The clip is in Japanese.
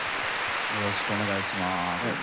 よろしくお願いします。